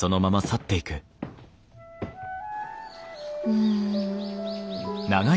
うん。